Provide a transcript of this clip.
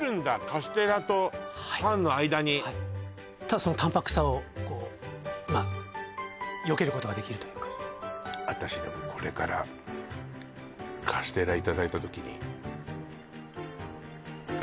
カステラとパンの間にただその淡泊さをこうまあよけることができるというか私でもこれからどうするの？